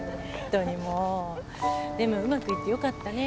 でもうまくいってよかったね。